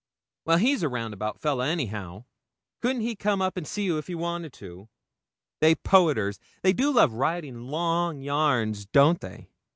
'Well, he's a roundabout fellah, anyhow. Couldn't he come up and see you if he wanted to? They poeters, they do love writing long yarns don't they?'